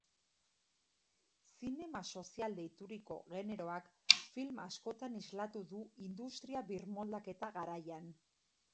Zinema sozial deituriko generoak film askotan islatu du industria-birmoldaketa garaian.